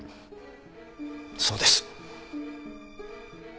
そうです。